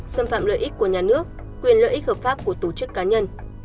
xâm phạm lợi ích của nhà nước quyền lợi ích hợp pháp của tổ chức cá nhân